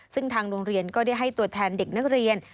ซึ่งทางโรงเรียนก็ได้ให้ตัวแทนเด็กนักเรียน